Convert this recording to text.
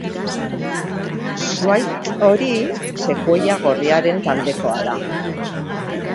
Zuhaitz hori sekuoia gorriaren taldekoa da.